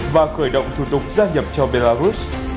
và khởi động thủ tục gia nhập cho belarus